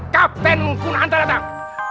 kapten kunanta datang